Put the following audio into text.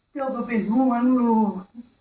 เอามาเป็นห่วงลูก